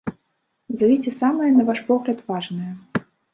Назавіце самыя, на ваш погляд, важныя.